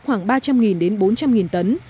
khoảng ba trăm linh bốn trăm linh tấn